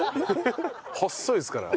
細いですから。